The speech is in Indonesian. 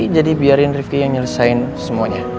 jadi biarin rifki yang nyelesain semuanya